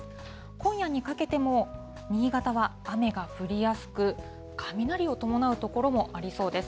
今夜にかけても、新潟は雨が降りやすく、雷を伴う所もありそうです。